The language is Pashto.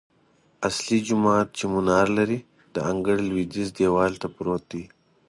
اصلي جومات چې منار لري، د انګړ لویدیځ دیوال ته پروت دی.